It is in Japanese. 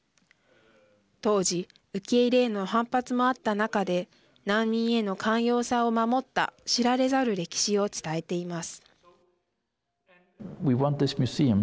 当時、受け入れへの反発もあった中で難民への寛容さを守った知られざる歴史を伝えています。